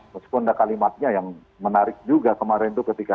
meskipun ada kalimatnya yang menarik juga kemarin itu ketika